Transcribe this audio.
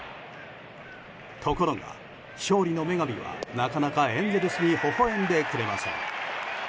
ところが勝利の女神はなかなかエンゼルスにほほ笑んでくれません。